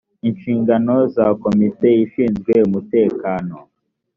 inshingano za komite ishinzwe umutekano